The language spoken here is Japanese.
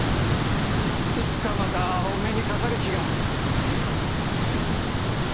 いつかまたお目にかかる日が。